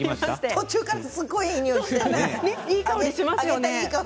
途中からすごいいいにおいがしていた。